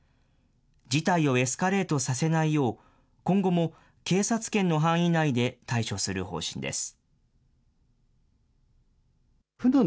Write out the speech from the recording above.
事態をエスカレートさせないよう、今後も警察権の範囲内で対処する方針です。